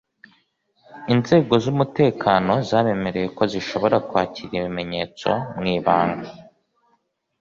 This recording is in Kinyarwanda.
Inzego z’umutekano zabemereye ko zishobora kwakira ibimenyetso mu ibanga